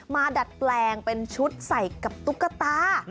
ดัดแปลงเป็นชุดใส่กับตุ๊กตา